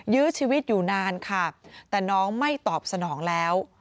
ยื้อชีวิตอยู่นานค่ะแต่น้องไม่ตอบสนองแล้ว